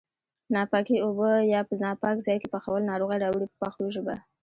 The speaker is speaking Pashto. ناپاکې اوبه یا په ناپاک ځای کې پخول ناروغۍ راوړي په پښتو ژبه.